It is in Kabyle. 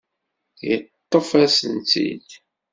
Yeṭṭef-asen-tt-id.